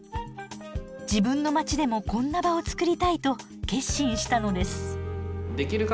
自分の街でもこんな場を作りたいと決心したのです。